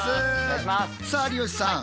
さあ有吉さん